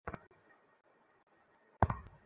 আমি আপনার ঠাণ্ডা চামড়া ওর চেয়ে ভালো গরম করতে পারব।